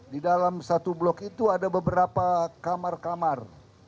di dalam satu blok itu ada beberapa kamar kamar